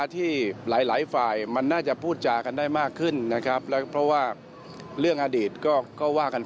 ที่หลายฝ่ายต้องมาช่วยกัน